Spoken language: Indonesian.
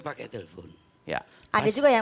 pakai telepon ada juga yang